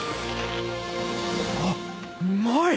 あっうまい！